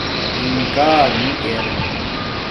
اِنکار نی اِر